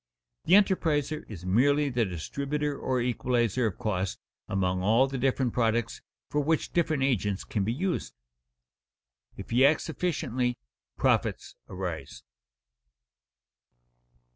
The enterpriser is merely the distributor or equalizer of cost among all the different products for which different agents can be used. If he acts efficiently, profits arise.